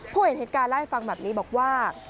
พวกเห็นเหตุการณ์ไล่ฟังแบบนี้บอกว่า